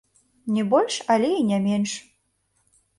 Не больш, але і не менш.